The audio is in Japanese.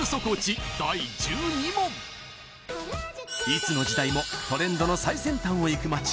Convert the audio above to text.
いつの時代もトレンドの最先端をいく街